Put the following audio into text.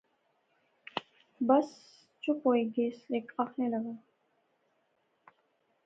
سب چپ ہوئی گئے۔ ہیک آخنے لغا